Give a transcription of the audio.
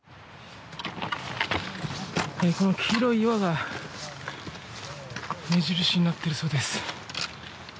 この黄色い岩が目印になっているそうです。